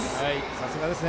さすがですね。